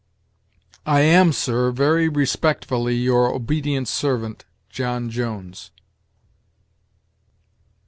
"I am, sir, very respectfully, your obedient servant, John Jones."